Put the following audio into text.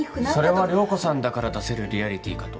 それは涼子さんだから出せるリアリティーかと。